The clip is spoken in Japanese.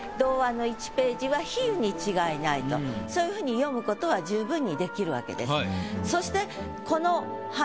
それで。に違いないとそういうふうに読むことは十分にできるわけです。